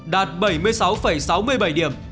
đạt bảy mươi sáu sáu mươi bảy điểm